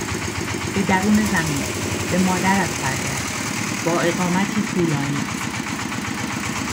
به درون زمین، به مادرت برگرد. با اقامتی طولانی